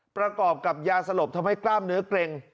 ประกอบกับยาสลบทำให้กล้ามเนื้อเกร็ง